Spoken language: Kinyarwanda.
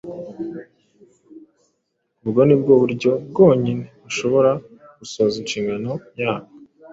Ubwo nibwo buryo bwonyine bashobora gusohoza inshingano yabo.